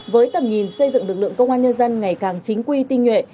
với tầm nhìn xây dựng lực lượng công an nhân dân ngày càng chính quy tinh nhuệ